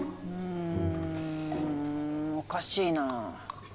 んおかしいな。